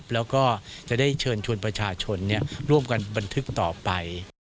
แล้วก็จะได้เชิญชวนประชาชนร่วมกันบันทึกต่อไป